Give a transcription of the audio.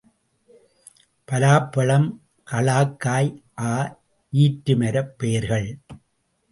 பலாப்பழம், களாக்காய் ஆ ஈற்று மரப் பெயர்கள்.